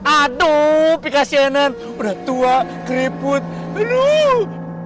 aduh pikesianan udah tua keriput aduh